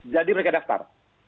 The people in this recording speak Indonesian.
jadi mereka daftar